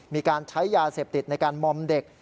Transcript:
มีการใช้ยาเสพติดในการมอมเด็ก